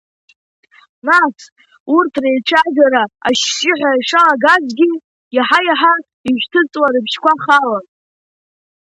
Нас, урҭ реицәажәара ашьшьыҳәа ишалагазгьы, иаҳа-иаҳа ишьҭыҵуа рыбжьқәа халон…